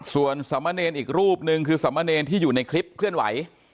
ส่วนสมเนรอีกรูปนึงคือสมเนรที่อยู่ในคลิปเคลื่อนไหว